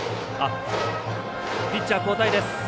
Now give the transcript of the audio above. ピッチャー交代です。